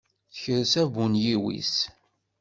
Tekres abunyiw-is.